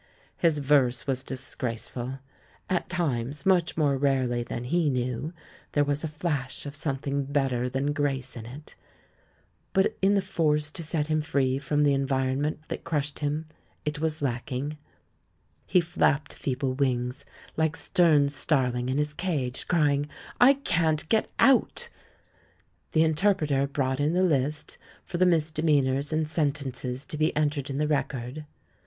His verse was disgrace ful ; at times — much more rarely than he knew — there was a flash of something better than grace in it; but in the force to set him free from the environment that crushed him it was lacking. He flapped feeble wings, like Sterne's starling in its cage, crying, "I can't get out!" THE LAUKELS AND THE LADY 89 The interpreter brought in the list, for the mis demeanours and sentences to be entered in the record.